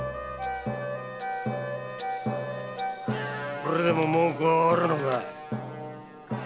これでも文句があるのか？